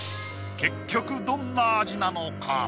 結局どんな味なのか？